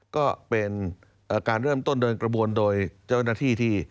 ก็เป็นการเริ่มต้นเดินกระบวนโดยเจ้าหน้าที่ที่